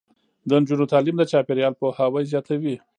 د نجونو تعلیم د چاپیریال پوهاوی زیاتوي.